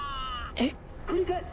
えっ？